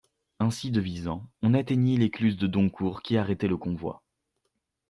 Ainsi devisant, on atteignit l'écluse de Doncourt, qui arrêtait le convoi.